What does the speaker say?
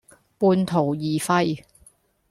半途而廢